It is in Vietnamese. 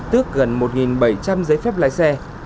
tước gần một bảy trăm linh giấy phép lái xe